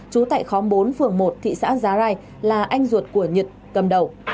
trú tại khóm bốn phường một thị xã giá rai là anh ruột của nhật cầm đầu